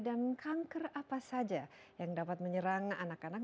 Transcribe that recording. dan kanker apa saja yang dapat menyerang anak anak